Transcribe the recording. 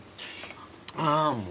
ああもう。